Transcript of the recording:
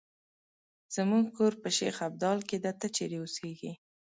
زمونږ کور په شیخ ابدال کې ده، ته چېرې اوسیږې؟